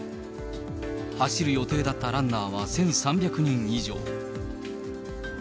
走る予定だったランナーは１３００人以上。